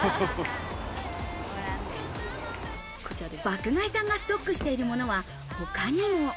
爆買いさんがストックしているものは、他にも。